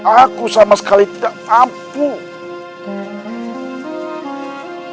aku sama sekali tidak mampu